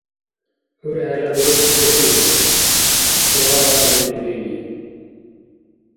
- ГӀyp хӀела буреси лебу? - суал аргъиб илини.